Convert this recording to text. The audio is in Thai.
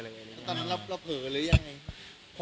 ตอนนั้นระเผลอหรือยังไง